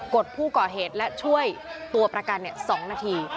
ดผู้ก่อเหตุและช่วยตัวประกัน๒นาที